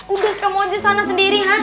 udah kamu aja sana sendiri ha